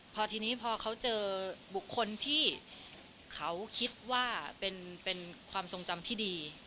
พอทีนี้พอเขาเจอบุคคลที่เขาคิดว่าเป็นความทรงจำที่ดี